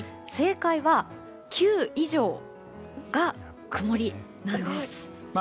正解は、９以上が曇りなんです。